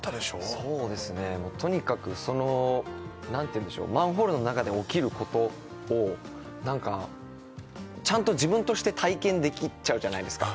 そうですねもうとにかくそのマンホールの中で起きることをなんかちゃんと自分として体験できちゃうじゃないですか